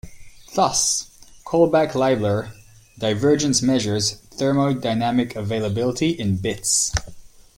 Thus Kullback-Leibler divergence measures thermodynamic availability in bits.